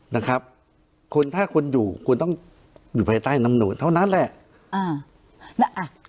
นะครับคนถ้าคุณอยู่คุณต้องอยู่ภายใต้น้ำโหดเท่านั้นแหละอ่าน่ะ